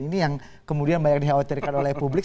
ini yang kemudian banyak dikhawatirkan oleh publik